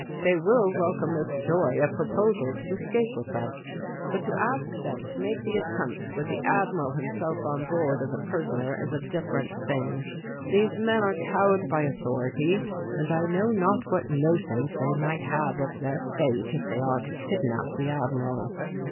They will welcome with joy a proposal to escape with us, but to ask them to make the attempt with the Admiral himself on board as a prisoner is a different thing. These men are cowed by authority and I know not what notions they might have of their fate if they are to kidnap the Admiral."